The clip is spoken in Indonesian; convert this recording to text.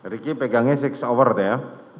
riki pegangnya six hour ya